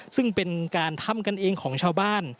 ซึ่งเป็นการทำกันเองของชาวบ้าน